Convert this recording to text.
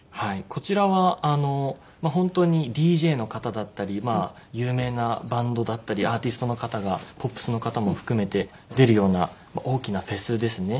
こちらはまあ本当にＤＪの方だったりまあ有名なバンドだったりアーティストの方がポップスの方も含めて出るような大きなフェスですね。